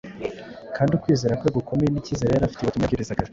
kandi ukwizera kwe gukomeye n’icyizere yari afitiye ubutumwa yabwirizaga,